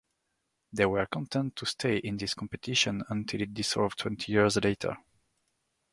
They were content to stay in this competition until it dissolved twenty years later.